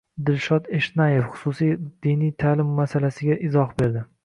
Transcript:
Dilshod Eshnayev xususiy diniy ta'lim masalasida izoh berdi